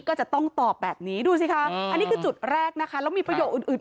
ก็จะต้องตอบแบบนี้ดูสิคะอันนี้คือจุดแรกนะคะแล้วมีประโยคอื่น